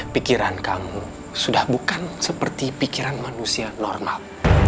pikiran kamu sudah bukan seperti pikiran manusia normal